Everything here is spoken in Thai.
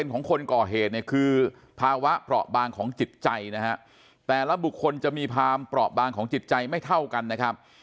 ของคนก่อเหตุเนี่ยคือภาวะเปราะบางของจิตใจนะฮะแต่ละบุคคลจะมีความเปราะบางของจิตใจไม่เท่ากันนะครับ